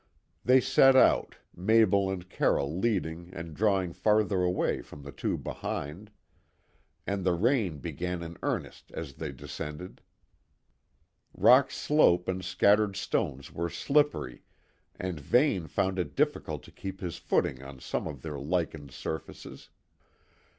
They set out, Mabel and Carroll leading and drawing farther away from the two behind; and the rain began in earnest as they descended. Rock slope and scattered stones were slippery, and Vane found it difficult to keep his footing on some of their lichened surfaces.